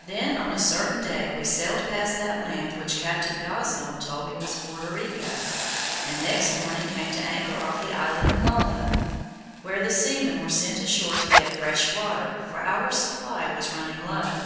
Then on a certain day we sailed past that land which Captain Gosnold told me was Porto Rico, and next morning came to anchor off the island of Mona, where the seamen were sent ashore to get fresh water, for our supply was running low.